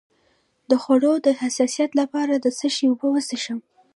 د خوړو د حساسیت لپاره د څه شي اوبه وڅښم؟